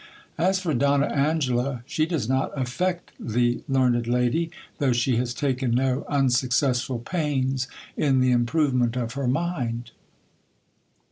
As for Donna Angela, she does not affect the learned lady, though she has taken no unsuccess ful pains in the improvement of her mind.